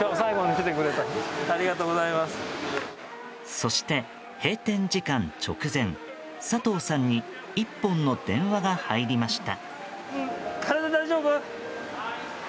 そして、閉店時間直前佐藤さんに１本の電話が入りました。